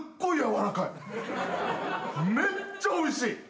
めっちゃおいしい！